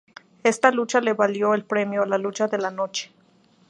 Esta lucha le valió el premio Lucha de la noche.